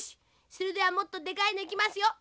それではもっとでかいのいきますよ！